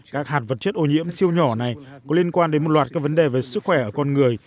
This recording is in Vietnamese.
các hạt vật chất ô nhiễm siêu nhỏ này có liên quan đến một loạt các vấn đề về sức khỏe ở con người